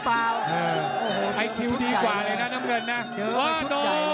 เอ้าเจอไน